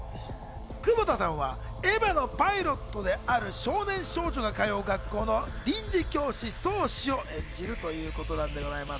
窪田さんはエヴァのパイロットである少年少女が通う学校の臨時教師・ソウシを演じるということなんでございます。